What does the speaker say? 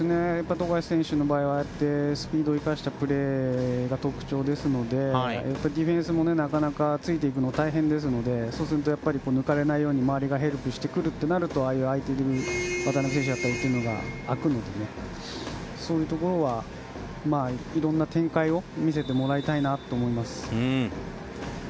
富樫選手の場合はスピードを生かしたプレーが特徴ですのでディフェンスもなかなかついていくのは大変ですのでそうすると抜かれないように周りがヘルプしてくるとなると渡邊選手だったりが空くので、そういうところはいろんな展開を見せてもらいたいなと思いますね。